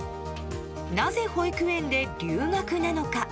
なぜ保育園で留学なのか。